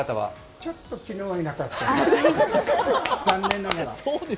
ちょっと昨日はいなかった、残念ながら。